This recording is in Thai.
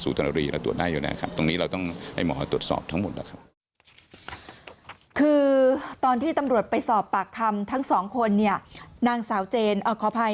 คือตอนที่ตำรวจไปสอบปากคำทั้งสองคนเนี่ยนางสาวเจนขออภัย